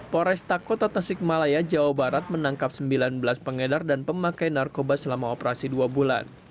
poresta kota tasik malaya jawa barat menangkap sembilan belas pengedar dan pemakai narkoba selama operasi dua bulan